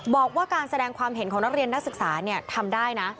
บอกว่าการแสดงความเห็นของนักเรียนนักศึกษาทำได้นะ